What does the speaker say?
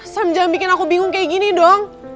sam jangan bikin aku bingung kayak gini dong